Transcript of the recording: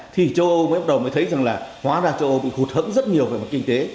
thì châu âu mới bắt đầu mới thấy rằng là hóa ra châu âu bị hụt hẫn rất nhiều về mặt kinh tế